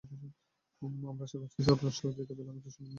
আমরা আশা করছি, সবার সহযোগিতা পেলে একটা শান্তিপূর্ণ নির্বাচন করা সম্ভব।